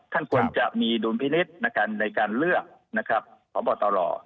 ท่านควรจะมีดุลพินิษฐ์ในการเลือกนะครับพบตร